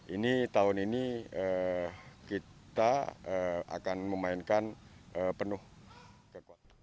ini tahun ini kita akan memainkan penuh kekuatan